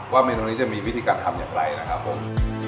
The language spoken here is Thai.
เมนูนี้จะมีวิธีการทำอย่างไรนะครับผม